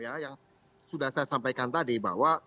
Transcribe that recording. prinsip umum ya yang sudah saya sampaikan tadi bahwa